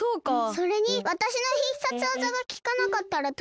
それにわたしの必殺技がきかなかったらどうするの？